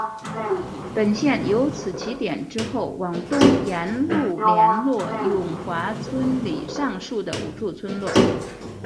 本线由此起点之后往东沿路连络永华村里上述的五处村落。